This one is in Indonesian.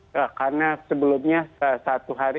karena sebelumnya satu hari